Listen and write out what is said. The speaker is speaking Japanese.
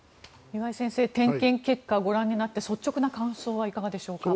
岩井先生点検結果をご覧になって率直な感想はいかがでしょうか。